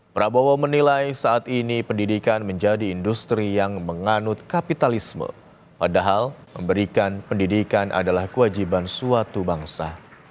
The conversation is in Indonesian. prabowo menilai saat ini pendidikan menjadi industri yang menganut kapitalisme padahal memberikan pendidikan adalah kewajiban suatu bangsa